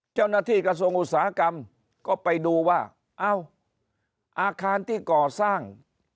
กระทรวงอุตสาหกรรมก็ไปดูว่าเอ้าอาคารที่ก่อสร้าง